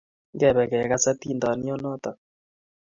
Ngepe kegas atindyo notok